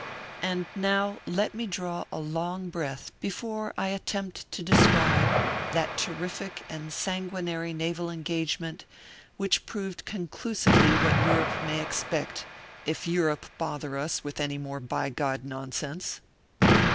And now let me draw a long breath before I at tempt to describe that terrific and sanguinary naval engagement, which proved conclusively what Europe may expect, if Europe bother us with any more bigodd nonsense.